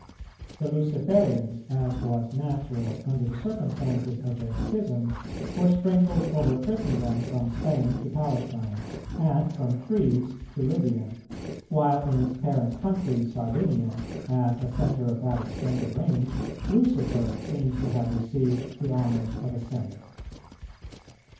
The Luciferians, as was natural under the circumstances of their schism, were sprinkled over Christendom from Spain to Palestine, and from Treves to Lybia; while in its parent country Sardinia, as a centre of that extended range, Lucifer seems to have received the honours of a Saint.